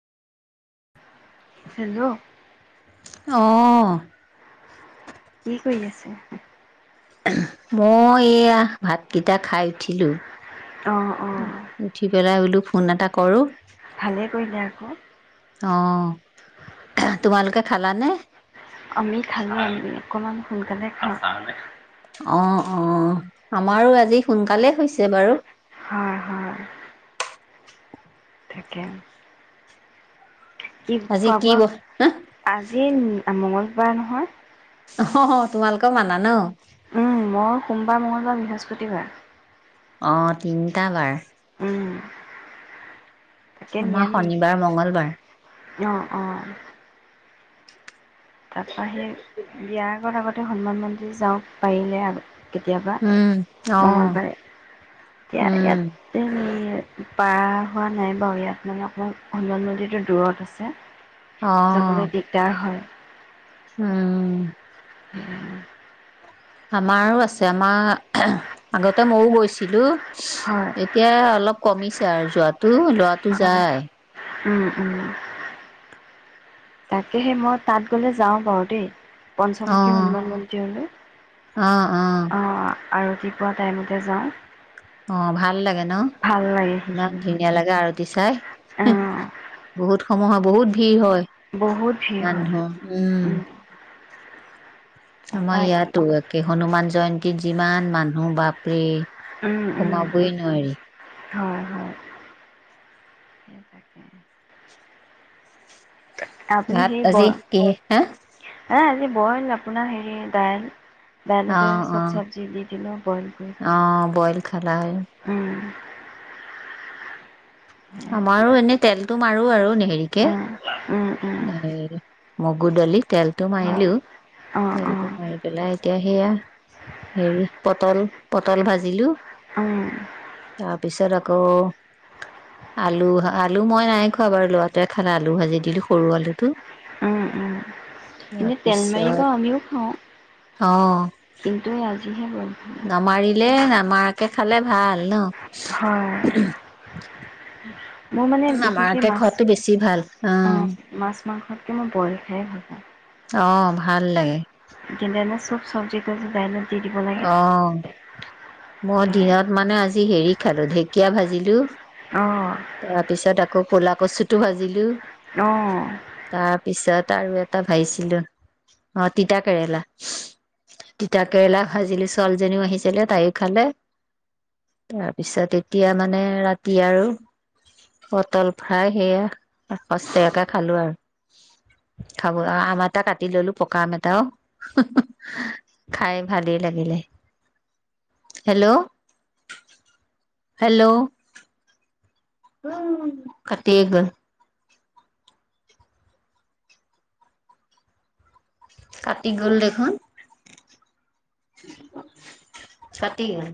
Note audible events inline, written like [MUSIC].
Hello? অ'। কি কৰি আছে? মই এইয়া ভাতকেইটা খাই উঠিলোঁ। অঁ অঁ উঠি পেলাই বোলো ফোন এটা কৰোঁ। ভালেই কৰিলে আকৌ। অ'। তোমালোকে খালা নে? আমি খালোঁ। আমি অকণমান সোনকালে খাওঁ। অ'-অ'। আমাৰো আজি সোনকালে হৈছে বাৰু। হয় - হয়। ঠিকে আছে। কি আজি কি খোৱা-বোৱা? ব আজি অ'- মঙ্গল বাৰ নহয়। অ' তোমালোকেও মানা ন'? স্পতিবাৰ। অ', তিনিটা বাৰ। উম আমাৰ শনিবাৰ মঙ্গলবাৰ। অ' - অ'। তাৰপৰা আহি বিয়াৰ [UNINTELLIGIBLE] তে অকণ হনুমান মন্দিৰ যাওঁ, পাৰিলে আৰু। কেতিয়াবা উম, অ', মঙলবাৰে। এতিয়া উম, ইয়াতে [UNINTELLIGIBLE] পাৰ হোৱা নাই বাৰু ইয়াত মানে অকণমান হনুমান মন্দিৰটো দূৰত আছে। অ', যাবলৈ দিগদাৰ হয়। উম [UNINTELLIGIBLE] আমাৰো আছে আমাৰ আগতে মইও গৈছিলো। হয় এতিয়া অলপ কমিছে আৰু যোৱাটো যোৱাটো যায় ওম ওম তাকেহে মই তাত গলে যাওঁ বাৰু দেই পঞ্চমুখী অ'। হনুমান মন্দিৰলৈ অ অ অহ্ আৰু ৰাতিপুৱা টাইমতে যাওঁ। অ ভাল লাগে ন ভাল লাগে ইমান সেইখিনি হয় ধুনীয়া লাগে আৰু দৃ চাই অঁ বহুত সমূহৰ বহুত ভিৰ হয়। বহুত ভিৰ হয় মানুহৰ উম আমাৰ তাৰপৰা ইয়াতো একে হনুমান জয়ন্ত যিমান মানুহ বাপৰে উম, উম। সোমাবই নোৱাৰি। হয় হয় স তাকে আপুনি ভাত হেৰি আজি বইল কিহে খা এ আজি বইল আপোনাৰ হেৰি দাইল অ বাইলতে অ চব চব্জি দি দিলো বইল কৰি অ বইল খালা খালো উম আমাৰো এনে তেলতটো মাৰো আৰু দেহেৰিকে [UNINTELLIGIBLE] মগুডালি তেলটো হয় মাৰিলোও অঁ অঁ তেলটো মাৰি পেলাই এতিয়া সেয়া হেৰি পটল পটল ভাজিলোঁ উম, তাৰপিছত আক আকৌ আলু আলু মই নাই খোৱা বাৰু লৰাটোৱে খালা আলু ভাজি দিলো। সৰু আলুটো উম উম এনেই তেল মাৰি বা তাৰপিছত আমিও খাওঁ কিন্তু এই আজিহে বল নমাৰিলে এ নমাৰাকে খালে ভাল ন হয় উম মোৰ মানে বিশেষকৈ নামাৰাকে মাছ খোৱাতো বেছি ভাল অ অঁ মাছ মাংসত মই বইল খাইে ভাল পাওঁ অ ভাল লাগে যেনে চব চব্জি বুৰ ডাইলত দি দিব লাগে অ মই সেয়াই। দিনত মানে আজি হেৰি খালো ঢেঁকীয়া ভাজিলো অ'। তাৰপিছত আ আকৌ ক'লা কচু টো ভাজিলো তাৰ আহ পিছত আৰু এটা ভাজিছিলো অ তিতা কেৰেলা তিতা কেৰেলা ভাজিলো ছোৱালীজনীও আহিছিলে তাইও খালে তাৰপিছত এতিয়া মানে ৰাতি আৰু পটল ফ্ৰাই সেয়া সস্তাকে খালো আৰু খাব আৰু আম এটা কাটি ললো পকা আম এটাও খাই ভালেই লাগিলে হেল্ল' হেল্ল' কাটিয়ে গল কাটি গ'ল দেখোন কাটি গল